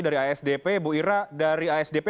dari asdp bu ira dari asdp